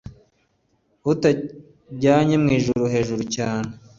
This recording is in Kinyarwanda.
utanjyanye mu ijuru hejuru cyane